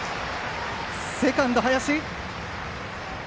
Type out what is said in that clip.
セカンドの林。